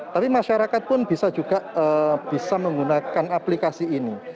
tapi masyarakat pun bisa juga bisa menggunakan aplikasi ini